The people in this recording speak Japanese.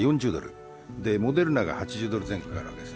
モデルナが８０ドル前後であるわけです。